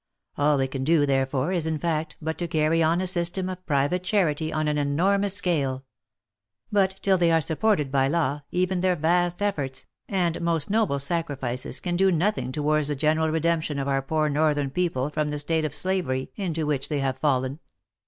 All they can do therefore is in fact but to carry on a system of private charity on an enormous scale — but till they are supported by law, even their vast efforts, and most noble sacrifices can do nothing towards the general redemption of our poor northern people from the state of slavery into which they have fallen.